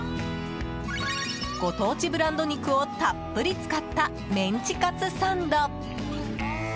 ご当地ブランド肉をたっぷり使ったメンチカツサンド。